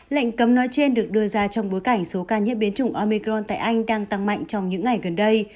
lệnh cấm nói trên được đưa ra trong bối cảnh số ca nhiễm biến chủng omecron tại anh đang tăng mạnh trong những ngày gần đây